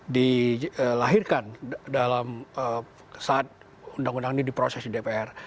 dilahirkan dalam saat undang undang ini diprosesi dpr